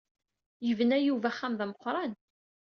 Yebna Yuba axxam d ameqqṛan.